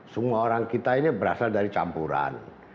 semua orang kita ini berasal dari campuran